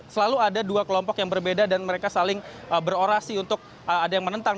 selalu ada dua kelompok yang berbeda dan mereka saling berorasi untuk ada yang menentang